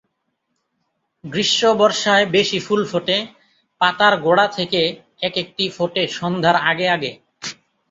গ্রীষ্ম-বর্ষায় বেশি ফুল ফোটে, পাতার গোড়া থেকে একেকটি ফোটে সন্ধ্যার আগে আগে।